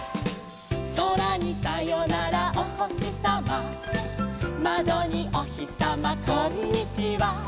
「そらにさよならおほしさま」「まどにおひさまこんにちは」